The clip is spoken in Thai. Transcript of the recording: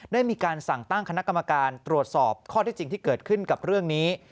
ได้มีการสั่งตั้งคณะกรรมการตรวจสอบข้อที่จริงที่เกิดขึ้นกับเรื่องนี้